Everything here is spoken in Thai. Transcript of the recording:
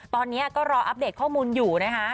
ตอนนี้ก็รออัปเดตข้อมูลอยู่นะคะ